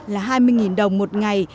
là hai mươi đồng một ngày